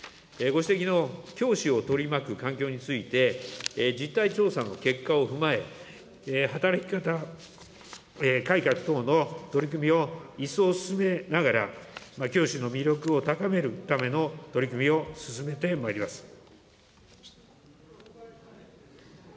ご指摘の教師を取り巻く環境について、実態調査の結果を踏まえ、働き方改革等の取り組みを一層進めながら、教師の魅力を高めるための取り組みを進めてまいります。